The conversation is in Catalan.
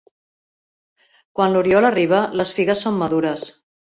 Quan l'oriol arriba, les figues són madures.